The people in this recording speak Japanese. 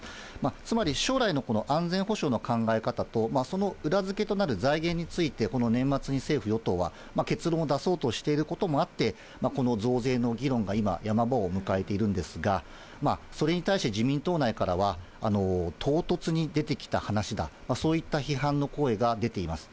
つまり将来のこの安全保障の考え方と、その裏付けとなる財源について、この年末に政府・与党は結論を出そうとしていることもあって、この増税の議論が今、ヤマ場を迎えているんですが、それに対して、自民党内からは、唐突に出てきた話だ、そういった批判の声が出ています。